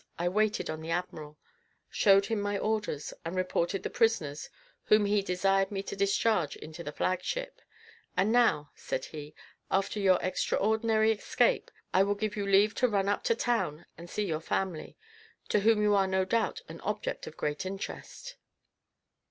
I waited on the admiral, showed him my orders, and reported the prisoners, whom he desired me to discharge into the flag ship; "and now," said he, "after your extraordinary escape, I will give you leave to run up to town and see your family, to whom you are no doubt an object of great interest."